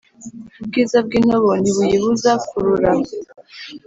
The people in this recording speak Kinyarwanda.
Ubwiza bw’intobo ntibuyibuza kurura.